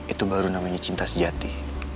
itu baru namanya cinta sejati